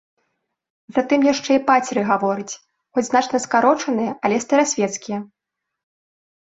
Затым яшчэ і пацеры гаворыць, хоць значна скарочаныя, але старасвецкія.